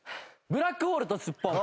「ブラックホールとすっぽん」！